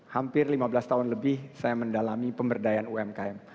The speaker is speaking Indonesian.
hampir lima belas tahun lebih saya mendalami pemberdayaan umkm